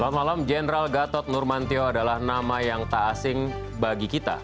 selamat malam general gatot nurmantio adalah nama yang tak asing bagi kita